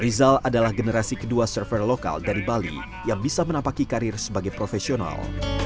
rizal adalah generasi kedua server lokal dari bali yang bisa menapaki karir sebagai profesional